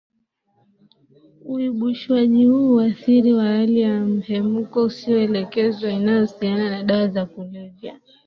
Uibushwaji huu huathiri wa hali ya mhemko usioelekezwa inayohusiana na dawa za kulevya